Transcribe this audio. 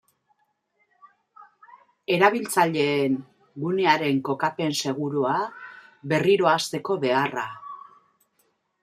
Erabiltzaileen, gunearen kokapen segurua berriro hasteko beharra.